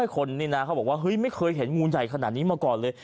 คนนี่นะเขาบอกว่าเฮ้ยไม่เคยเห็นงูใหญ่ขนาดนี้มาก่อนเลย